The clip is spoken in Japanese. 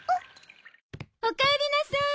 おかえりなさーい。